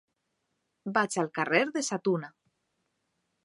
Vaig al carrer de Sa Tuna.